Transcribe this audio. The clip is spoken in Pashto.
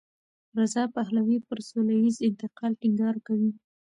رضا پهلوي پر سولهییز انتقال ټینګار کوي.